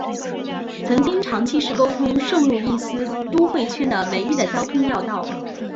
曾经长期是沟通圣路易斯都会圈的唯一的交通要道。